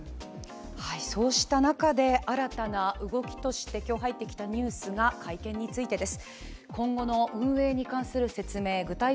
そうした中で新たな動きとして今日入ってきたニュースが会見についてです。